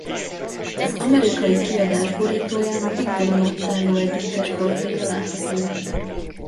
Az amerikai kiadás borítóján a Big Ben alatt álló együttes portréja látható.